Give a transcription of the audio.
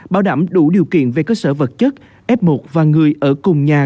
bảo đảm đủ điều kiện về cơ sở vật chất f một và người ở cùng nhà